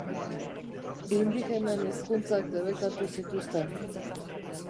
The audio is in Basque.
Indigenen hizkuntzak debekatu zituzten.